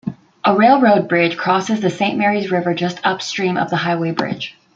A railroad bridge crosses the Saint Marys River just upstream of the highway bridge.